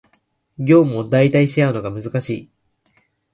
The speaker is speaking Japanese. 業務を代替し合うのが難しい